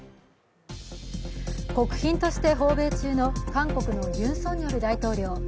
国賓として訪米中の韓国のユン・ソンニョル大統領。